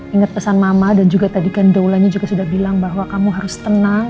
ingat pesan mama dan juga tadi kan daulanya juga sudah bilang bahwa kamu harus tenang